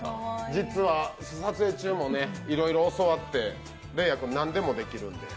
実は撮影中もいろいろ教わってレイアくんなんでもできるんで。